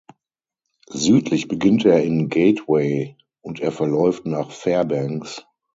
Südlich beginnt er in Gateway und er verläuft nach Fairbanks.